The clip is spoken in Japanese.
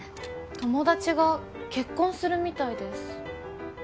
友達が結婚するみたいです。